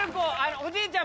・・おじいちゃん！